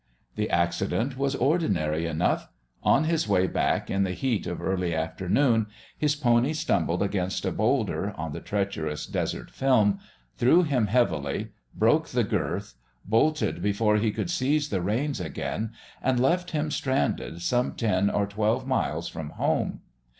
The accident was ordinary enough. On his way back in the heat of early afternoon his pony stumbled against a boulder on the treacherous desert film, threw him heavily, broke the girth, bolted before he could seize the reins again, and left him stranded some ten or twelve miles from home.